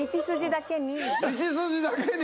道筋だけに！